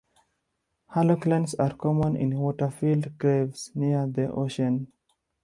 Haloclines are common in water-filled caves near the ocean.